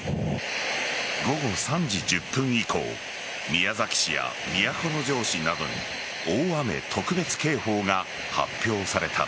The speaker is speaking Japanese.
午後３時１０分以降宮崎市や都城市などに大雨特別警報が発表された。